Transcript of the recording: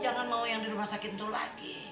jangan mau yang di rumah sakit itu lagi